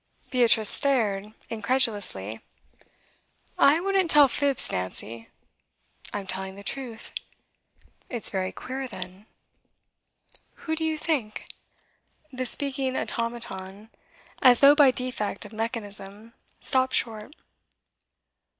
Beatrice stared incredulously. 'I wouldn't tell fibs, Nancy.' 'I'm telling the truth.' 'It's very queer, then.' 'Who did you think ?' The speaking automaton, as though by defect of mechanism, stopped short.